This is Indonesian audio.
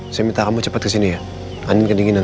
i say minta kamu cepat ke sini ya aning kedinginan